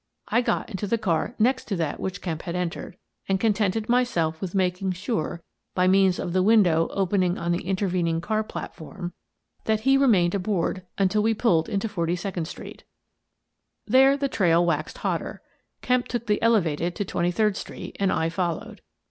I got into the car next to that which Kemp had entered, and con tented myself with making sure, by means of the window opening on the intervening car platform, 238 Miss Frances Baird, Detective that he remained aboard until we pulled into Forty second Street There the trail waxed hotter. Kemp took the elevated to Twenty third Street, and I followed.